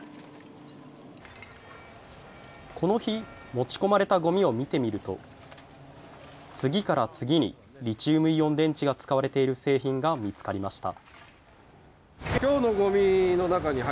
この日、持ち込まれたごみを見てみると次から次にリチウムイオン電池が使われている製品が見つかりました。